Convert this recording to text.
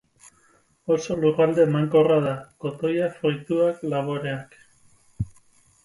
Oso lurralde emankorra da: kotoia, fruituak, laboreak.